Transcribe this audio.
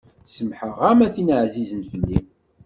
Semmḥeɣ-am a tin ɛzizen fell-i.